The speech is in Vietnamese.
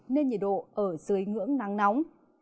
nên nhiệt độ ở dưới ngưỡng nắng nóng